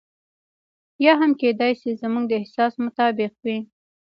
یا هم کېدای شي زموږ د احساس مطابق وي.